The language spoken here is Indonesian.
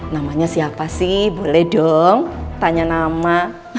namanya siapa sih boleh dong tanya nama